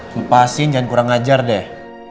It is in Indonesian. kupasin jangan kurang ajar deh